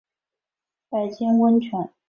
白金温泉